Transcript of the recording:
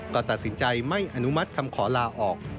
ก็ตัดสินใจไม่อนุมัติคำขอลาออก